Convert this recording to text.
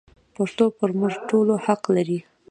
پښتو پر موږ ټولو حق لري.